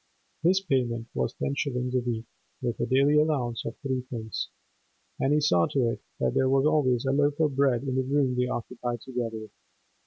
His payment was ten shillings a week (with a daily allowance of three pints), and he saw to it that there was always a loaf of bread in the room they occupied together.